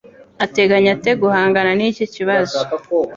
ateganya ate guhangana niki kibazo